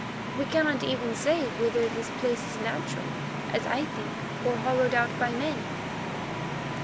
We cannot even say whether this place is natural, as I think, or hollowed out by men."